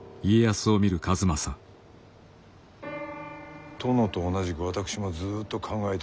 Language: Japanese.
殿と同じく私もずっと考えておりました。